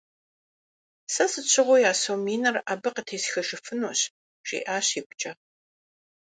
Сэ сыт щыгъуи а сом миныр абы къытесхыжыфынущ, - жиӀэщ игукӀэ.